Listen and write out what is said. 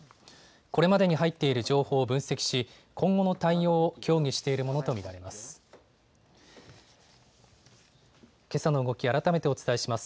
これまでに入っている情報を分析し今後の対応を協議しているものと見られます。